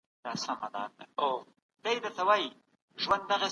علمي پوهه بايد منطقي او ډېره معقوله وي.